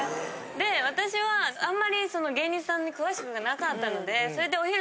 で私はあんまり芸人さんに詳しくなかったので。